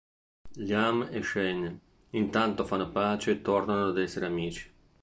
Liam e Shane intanto fanno pace e tornano ad essere amici.